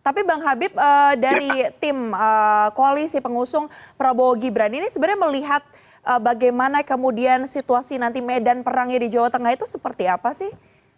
tapi bang habib dari tim koalisi pengusung prabowo gibran ini sebenarnya melihat bagaimana kemudian situasi nanti medan perangnya di jawa tengah itu seperti apa sih